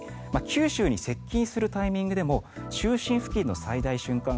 九州に接近するタイミングでも中心付近の最大瞬間